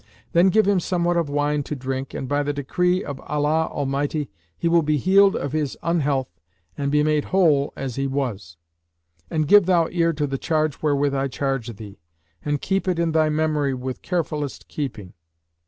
Then give him somewhat of wine to drink and, by the decree of Allah Almighty, he will be healed of his unhealth and be made whole as he was. And give thou ear to the charge wherewith I charge thee; and keep it in thy memory with carefullest keeping."